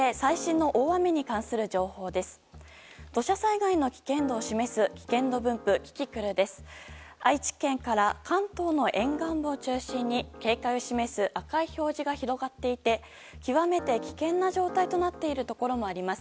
愛知県から関東の沿岸部を中心に警戒を示す赤い表示が広がっていて極めて危険な状態になっているところもあります。